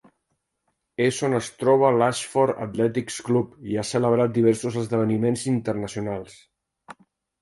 És on es troba l'Ashford Athletics Club i ha celebrat diversos esdeveniments internacionals.